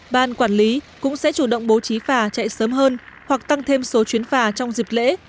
ban quản lý cũng sẽ chủ động bố trí phà chạy sớm hơn hoặc tăng thêm số chuyến phà trong dịp lễ